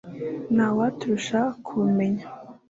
nta waturusha kubumenya